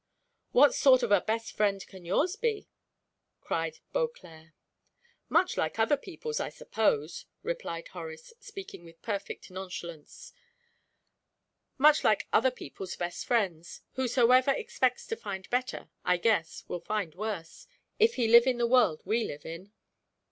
"What sort of a best friend can yours he?" cried Beauclerc. "Much like other people's, I suppose," replied Horace, speaking with perfect nonchalance "much like other people's best friends. Whosoever expects to find better, I guess, will find worse, if he live in the world we live in."